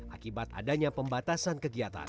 akibat adanya pembatasan kegiatan